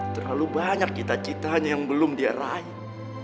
terlalu banyak cita citanya yang belum dia raih